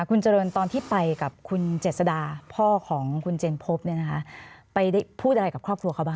คุณเจริญตอนที่ไปกับคุณเจษดาพ่อของคุณเจนพบเนี่ยนะคะไปพูดอะไรกับครอบครัวเขาบ้าง